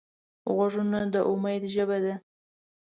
غوږونه د امید ژبه ده